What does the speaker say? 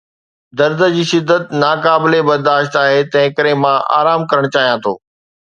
درد جي شدت ناقابل برداشت آهي، تنهنڪري مان آرام ڪرڻ چاهيان ٿو